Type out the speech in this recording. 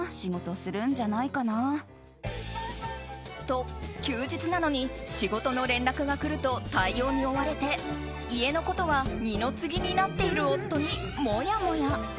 と、休日なのに仕事の連絡が来ると対応に追われて家のことは二の次になっている夫にもやもや。